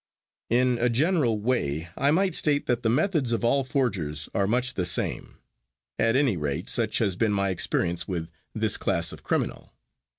In a general way I might state that the methods of all forgers are much the same; at any rate such has been my experience with this class of criminal.